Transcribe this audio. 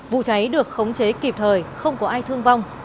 vụ cháy được khống chế kịp thời không có ai thương vong